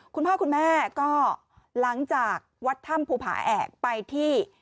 คุณพ่อคุณแม่ก็หลังจากวัดถ้ำภูผาแอกไปที่